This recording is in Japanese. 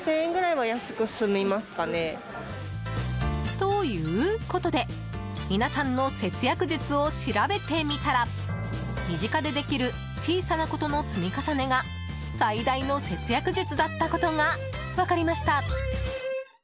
ということで、皆さんの節約術を調べてみたら身近でできる小さなことの積み重ねが最大の節約術だったことが分かりました。